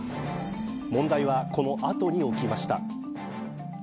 問題はこの後に起きました。